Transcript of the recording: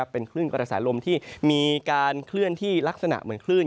เป็นคลื่นกระแสลมที่มีการเคลื่อนที่ลักษณะเหมือนคลื่น